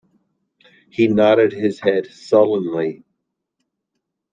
He nodded his head sullenly.